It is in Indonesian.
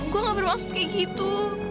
gue gak bermaksud kayak gitu